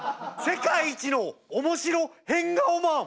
世界一の面白変顔マン？